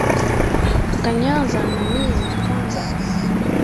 Ukanyaza namiye nakwaza